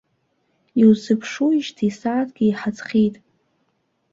Иузыԥшуижьҭеи сааҭк еиҳа ҵхьеит.